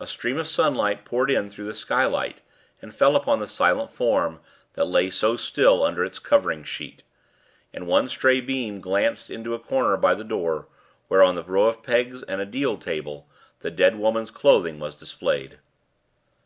A stream of sunlight poured in through the skylight, and fell upon the silent form that lay so still under its covering sheet, and one stray beam glanced into a corner by the door, where, on a row of pegs and a deal table, the dead woman's clothing was displayed.